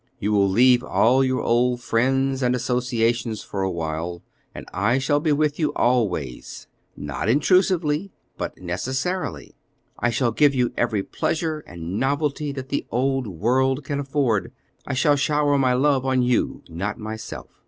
You will leave all your old friends and associations for a while, and I shall be with you always, not intrusively, but necessarily. I shall give you every pleasure and novelty that the Old World can afford. I shall shower my love on you, not myself.